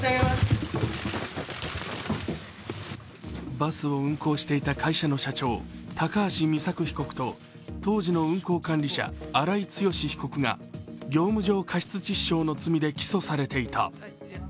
バスを運行していた会社の社長高橋美作被告と当時の運行管理者、荒井強被告が業務上過失致死傷の罪で起訴されていた。